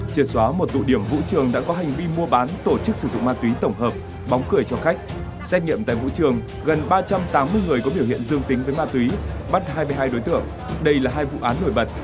triệt xóa một tụ điểm vũ trường đã có hành vi mua bán tổ chức sử dụng ma túy tổng hợp bóng cười cho khách xét nghiệm tại vũ trường gần ba trăm tám mươi người có biểu hiện dương tính với ma túy bắt hai mươi hai đối tượng đây là hai vụ án nổi bật